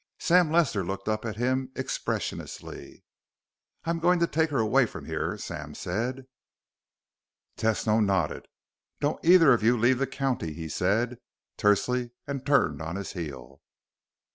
Sam Lester looked up at him expressionlessly. "I'm going to take her away from here," Sam said. Tesno nodded. "Don't either of you leave the county," he said tersely and turned on his heel.